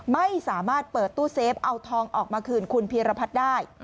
ไม่สามารถเปิดตู้เซฟเอาทองออกมาคืนคุณพีรพัฒน์ได้